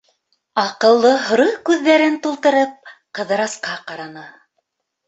Аҡыллы һоро күҙҙәрен тултырып, Ҡыҙырасҡа ҡараны.